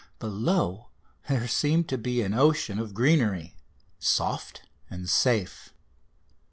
Below there seemed to be an ocean of greenery, soft and safe.